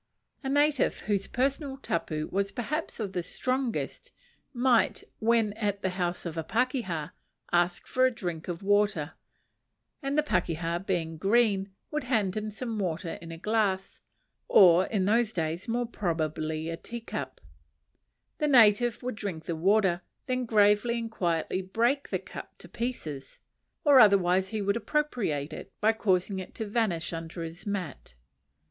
A native whose personal tapu was perhaps of the strongest, might, when at the house of a pakeha, ask for a drink of water; and the pakeha, being green, would hand him some water in a glass, or, in those days, more probably in a tea cup; the native would drink the water, and then gravely and quietly break the cup to pieces, or otherwise he would appropriate it by causing it to vanish under his mat.